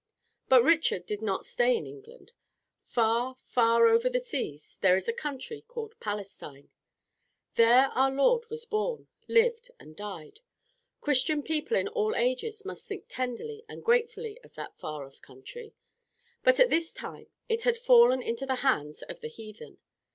But Richard did not stay in England. Far, far over the seas there is a country called Palestine. There our Lord was born, lived, and died. Christian people in all ages must think tenderly and gratefully of that far off country. But at this time it had fallen into the hands of the heathen.